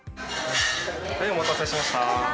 はいお待たせしました。